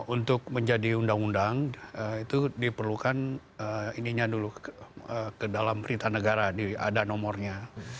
untuk menjadi undang undang itu diperlukan ininya dulu ke dalam perintah negara ada nomornya